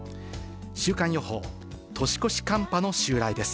週間予報、年越し寒波の襲来です。